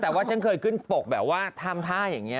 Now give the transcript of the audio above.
แต่ว่าฉันเคยขึ้นปกแบบว่าทำท่าอย่างนี้